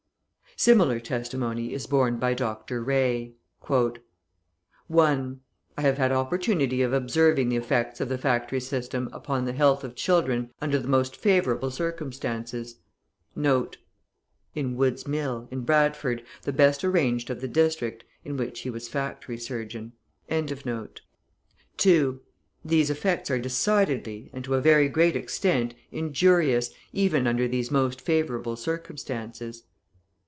Similar testimony is borne by Dr. Ray: (1) "I have had opportunity of observing the effects of the factory system upon the health of children under the most favourable circumstances (in Wood's mill, in Bradford, the best arranged of the district, in which he was factory surgeon). (2) These effects are decidedly, and to a very great extent, injurious, even under these most favourable circumstances.